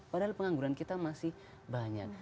padahal pengangguran kita masih banyak